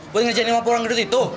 buat ngerjain lima puluh orang ngedut itu